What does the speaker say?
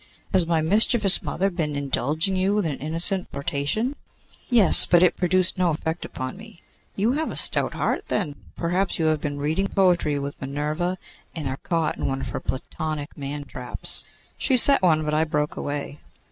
has my mischievous mother been indulging you with an innocent flirtation?' 'Yes; but it produced no effect upon me.' 'You have a stout heart, then. Perhaps you have been reading poetry with Minerva, and are caught in one of her Platonic man traps.' 'She set one, but I broke away.